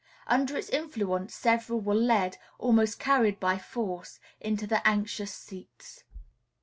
Under its influence several were led, almost carried by force, into the anxious seats.